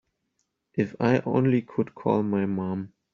If I only could call my mom.